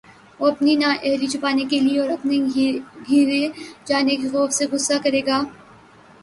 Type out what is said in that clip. وہ اپنی نااہلی چھپانے کے لیے اور اپنے گھیرے جانے کے خوف سے غصہ کرے گا